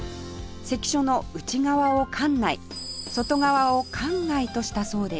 関所の内側を関内外側を関外としたそうです